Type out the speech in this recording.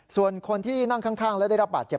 ส่วนคนที่นั่งข้างและได้รับบาดเจ็บ